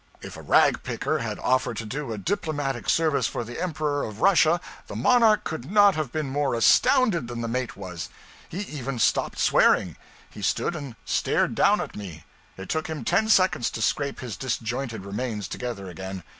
If a rag picker had offered to do a diplomatic service for the Emperor of Russia, the monarch could not have been more astounded than the mate was. He even stopped swearing. He stood and stared down at me. It took him ten seconds to scrape his disjointed remains together again.